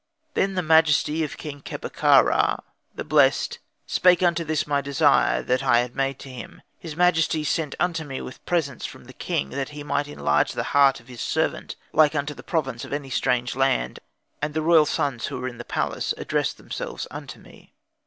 Then the majesty of King Kheper ka ra, the blessed, spake upon this my desire that I had made to him. His majesty sent unto me with presents from the king, that he might enlarge the heart of his servant, like unto the province of any strange land; and the royal sons who are in the palace addressed themselves unto me.